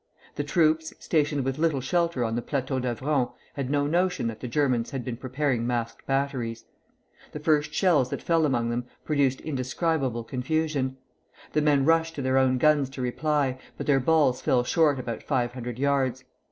The troops, stationed with little shelter on the Plateau d'Avron, had no notion that the Germans had been preparing masked batteries. The first shells that fell among them produced indescribable confusion. The men rushed to their own guns to reply, but their balls fell short about five hundred yards.